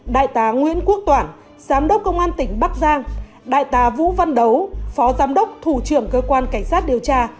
đại tá nguyễn quốc toản giám đốc công an tỉnh bắc giang đại tá vũ văn đấu phó giám đốc thủ trưởng cơ quan cảnh sát điều tra